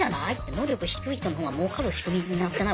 能力低い人のほうがもうかる仕組みになってない？